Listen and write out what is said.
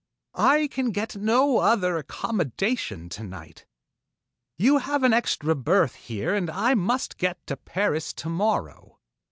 "I can get no other accommodations tonight. You have an extra berth here and I must get to Paris tomorrow.